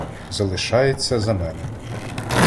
— Залишаєтеся за мене.